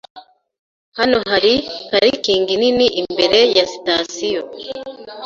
Hano hari parikingi nini imbere ya sitasiyo.